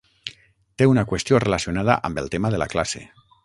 Té una qüestió relacionada amb el tema de la classe.